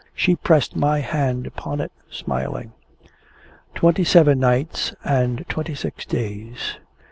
She pressed my hand upon it, smiling. Twenty seven nights and twenty six days.